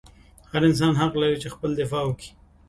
هر انسان حق لري چې خپل حق دفاع وکي